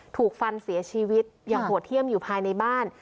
ถูกฟันเสียชีวิตอย่างโหดเยี่ยมอยู่ภายในบ้าน